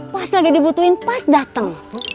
pas lagi dibutuhin pas datang